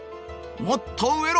もっと植えろ！